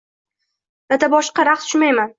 Dadaboshqa raqs tushmayman